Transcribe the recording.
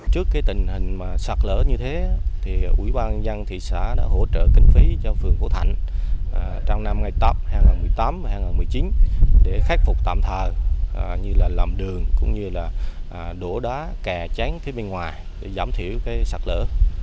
trước tình hình sạc lỡ như thế ủy ban dân thị xã đã hỗ trợ kinh phí cho phường hồ thạnh trong năm hai nghìn một mươi tám hai nghìn một mươi chín để khắc phục tạm thờ như làm đường đổ đá kè chán phía bên ngoài để giảm thiểu sạc lỡ